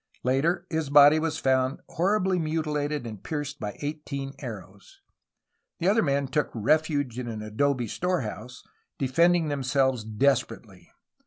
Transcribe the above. Later his body was found horribly mutilated and pierced by eigh teen arrows. The other men took refuge in an adobe store house, defending themselves desperately.